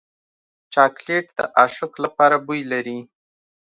چاکلېټ د عاشق لپاره بوی لري.